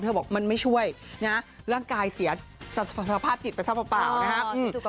บอกมันไม่ช่วยนะฮะร่างกายเสียรภาพจิตไปซะเปล่านะครับ